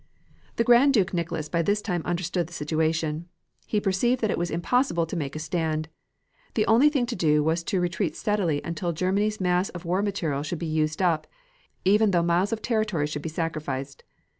The Grand Duke Nicholas by this time understood the situation. He perceived that it was impossible to make a stand. The only thing to do was to retreat steadily until Germany's mass of war material should be used up, even though miles of territory should be sacrificed.